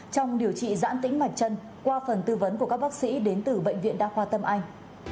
trong điều trị giãn tính mạch chân qua phần tư vấn của các bác sĩ đến từ bệnh viện đa khoa tâm anh